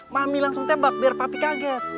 mami langsung tembak biar papi kaget